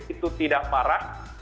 itu tidak parah